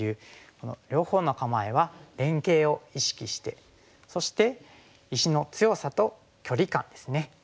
この両方の構えは連携を意識してそして石の強さと距離感ですね。